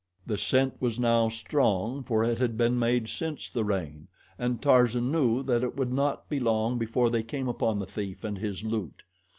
The scent was now strong, for it had been made since the rain, and Tarzan knew that it would not be long before they came upon the thief and his loot.